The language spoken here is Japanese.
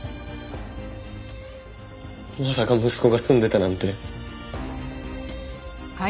まさか息子が住んでたなんて。